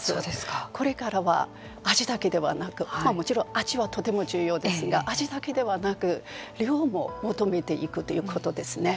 これからは味だけではなくもちろん味はとても重要ですが味だけではなく量も求めていくということですね。